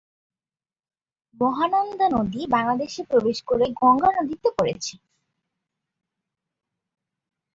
মহানন্দা নদী বাংলাদেশে প্রবেশ করে গঙ্গা নদীতে পড়েছে।